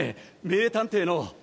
名探偵の。